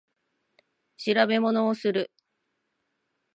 調べ物をする